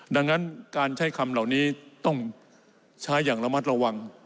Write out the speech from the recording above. ดังนั้นการใช้คำเหล่านี้ต้องใช้อย่างระมัดระวัง